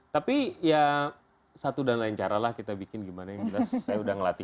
tapi ya satu dan lain cara lah kita bikin gimana yang jelas saya udah ngelatih